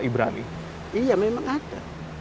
ibrani iya memang ada